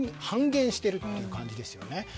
半減しているという感じですね。